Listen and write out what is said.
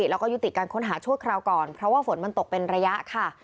แล้วก็ยุติการค้นหาชั่วคราวก่อนเพราะว่าฝนมันตกเป็นระยะค่ะ